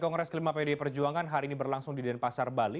kongres kelima pd perjuangan hari ini berlangsung di denpasar bali